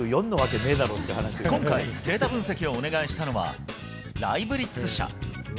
今回、データ分析をお願いしたのはライブリッツ社。